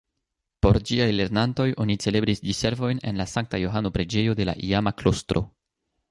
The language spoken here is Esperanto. Por ĝiaj lernantoj oni celebris Diservojn en la Sankta-Johano-preĝejo de la iama klostro.